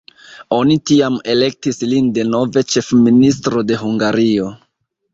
Oni tiam elektis lin denove ĉefministro de Hungario.